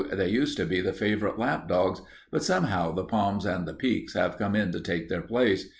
They used to be the favorite lap dogs, but somehow the Poms and the Pekes have come in to take their place.